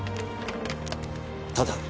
ただ